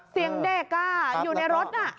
เสียงเด็กอยู่ในรถน่ะ